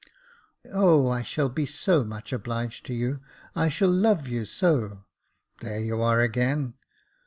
"Oh! I shall be so much obliged to you. I shall love you so !"" There you are again."